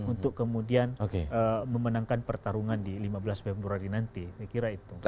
untuk kemudian memenangkan pertarungan di lima belas februari nanti